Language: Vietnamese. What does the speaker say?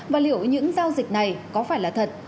và liệu những giao dịch này có phải là thật